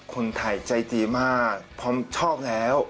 คนไทยใจดีมากพร้อมชอบแล้ว